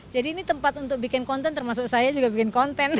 jadi ini tempat untuk bikin konten termasuk saya juga bikin konten